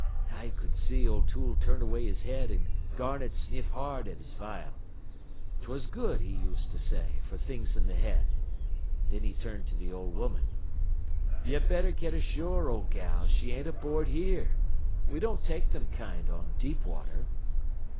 "I cud see O'Toole turn away his head an' Garnett sniff hard at his vial. 'Twas good, he used to say, fer things in th' head. Thin he turned to th' old woman. "'Ye better get ashore, old gal, she ain't aboard here. We don't take thim kind on deep water.'